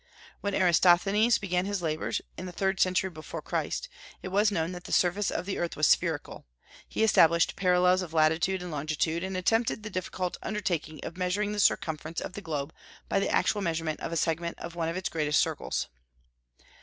When Eratosthenes began his labors, in the third century before Christ, it was known that the surface of the earth was spherical; he established parallels of latitude and longitude, and attempted the difficult undertaking of measuring the circumference of the globe by the actual measurement of a segment of one of its great circles.